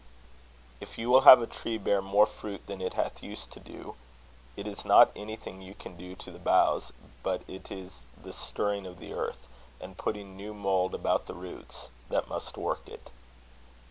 If you will have a tree bear more fruit than it hath used to do, it is not anything you can do to the boughs, but it is the stirring of the earth, and putting new mould about the roots, that must work it.